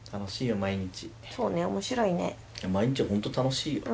毎日本当楽しいよ。